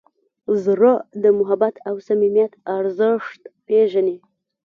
زړه د محبت او صمیمیت ارزښت پېژني.